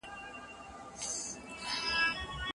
ایا تاسو خپله خپلواکه څېړنه په رښتیا سره خوښوئ؟